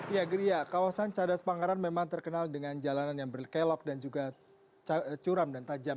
ya gria kawasan cadas pangeran memang terkenal dengan jalanan yang berkelok dan juga curam dan tajam